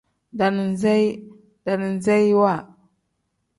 Daaniseyi pl: daaniseyiwa n.